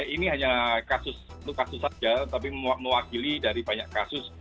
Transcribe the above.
ini hanya kasus satu kasus saja tapi mewakili dari banyak kasus